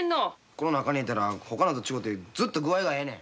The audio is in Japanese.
この中に入れたらほかのと違てずっと具合がええねん。